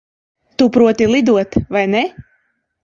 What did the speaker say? Tu proti lidot, vai ne?